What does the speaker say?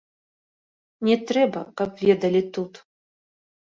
Не трэба, каб ведалі тут.